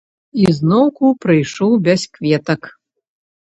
І зноўку прыйшоў без кветак.